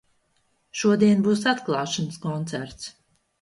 Šodien būs atklāšanas koncerts.